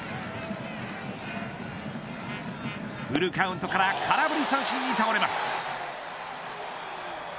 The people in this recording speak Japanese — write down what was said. フルカウントから空振り三振に倒れます。